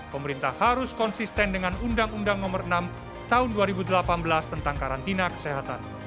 pemerintah harus konsisten dengan undang undang nomor enam tahun dua ribu delapan belas tentang karantina kesehatan